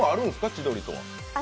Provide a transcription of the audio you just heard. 千鳥とは。